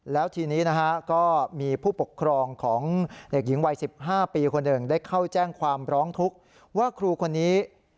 แล้วทีนี้นะฮะก็มีผู้ปกครองของเด็กหญิงวัย๑๕ปีคนหนึ่งได้เข้าแจ้งความร้องทุกข์ว่าครูคนนี้